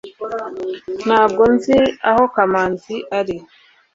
Ntabwo nzi aho kamanzi ari